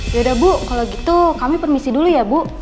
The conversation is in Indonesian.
yaudah bu kalau gitu kami permisi dulu ya bu